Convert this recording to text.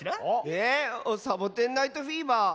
えっ「サボテン・ナイト・フィーバー」？